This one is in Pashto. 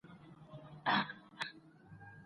څېړنه د حقیقت د موندلو یوه مقدسه لاره ده.